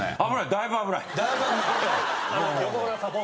だいぶ危ない。